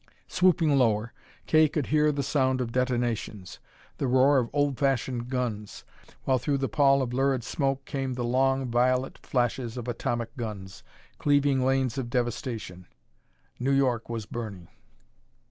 Swooping lower, Kay could hear the sound of detonations, the roar of old fashioned guns, while through the pall of lurid smoke came the long, violet flashes of atomic guns, cleaving lanes of devastation. New York was burning.